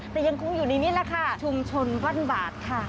แต่ยังคงอยู่ในนี้แหละค่ะชุมชนบ้านบาดค่ะ